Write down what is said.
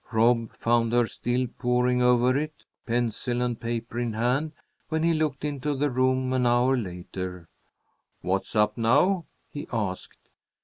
Rob found her still poring over it, pencil and paper in hand, when he looked into the room an hour later. "What's up now?" he asked.